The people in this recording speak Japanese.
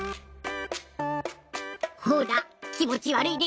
ほら気持ち悪いでしょ？